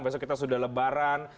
besok kita sudah lebaran